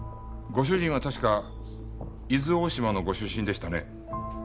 ご主人は確か伊豆大島のご出身でしたね？